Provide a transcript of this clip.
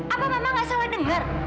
apa mama nggak salah dengar